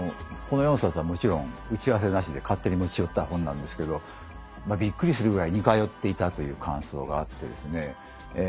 この４冊はもちろん打ち合わせなしで勝手に持ち寄った本なんですけどまあびっくりするぐらい似通っていたという感想があってですねえ